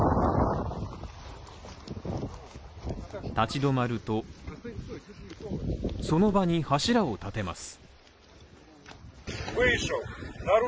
立ち止まると、その場に柱を立てます。